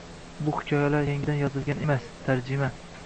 Bu hikoyalar yangidan yozilgan emas, tarjima